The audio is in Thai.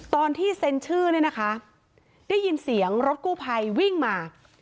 ตอนที่เซ็นชื่อเนี่ยนะคะได้ยินเสียงรถกู้ภัยวิ่งมา